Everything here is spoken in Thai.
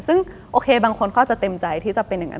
ซึ่งโอเคบางคนก็จะเต็มใจที่จะเป็นอย่างนั้น